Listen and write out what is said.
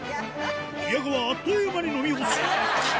宮川あっという間に飲み干す